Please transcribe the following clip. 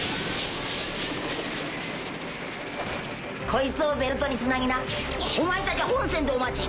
こいつをベルトにつなぎなお前たちは本船でお待ち！